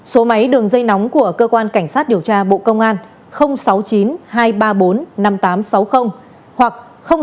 số máy đường dây nóng của cơ quan cảnh sát điều tra bộ công an sáu mươi chín hai trăm ba mươi bốn năm nghìn tám trăm sáu mươi hoặc sáu mươi chín hai trăm ba mươi hai một nghìn sáu trăm